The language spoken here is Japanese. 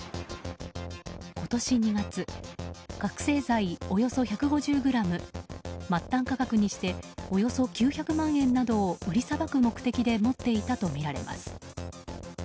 今年２月、覚醒剤およそ１５０ｇ末端価格にしておよそ９００万円などを売りさばく目的で持っていたとみられます。